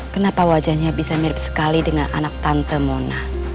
kenapa wajahnya bisa mirip sekali dengan anak tante mona